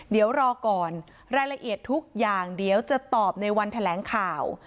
เดี๋ยวรอก่อนรายละเอียดทุกอย่างเดี๋ยวจะตอบในวันแถลงข่าว